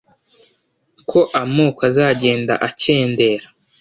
ko amoko azagenda acyendera